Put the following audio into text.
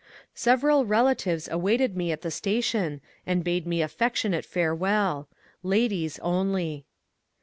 Several relatives awaited me at the station and bade me affectionate farewell. Ladies only